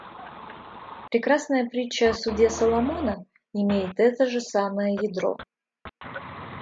Прекрасная притча о суде Соломона имеет это же самое ядро.